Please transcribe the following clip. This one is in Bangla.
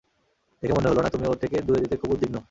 দেখে মনে হল না তুমি ওর থেকে দূরে যেতে খুব উদ্বিগ্ন।